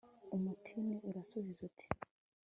umutini urasubiza uti